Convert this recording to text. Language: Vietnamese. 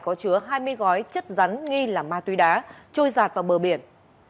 có chứa hai mươi gói chất rắn nghi là ma tuy đá trôi rạt vào bờ biển